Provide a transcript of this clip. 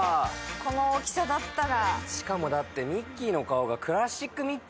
この大きさだったら。